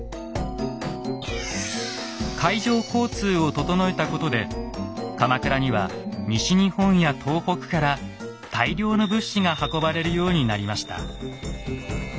海上交通を整えたことで鎌倉には西日本や東北から大量の物資が運ばれるようになりました。